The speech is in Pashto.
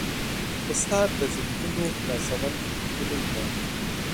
استاد د ذهنونو خلاصولو کلۍ ده.